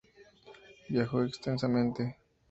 Viajó extensamente.